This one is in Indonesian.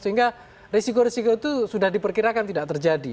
sehingga risiko risiko itu sudah diperkirakan tidak terjadi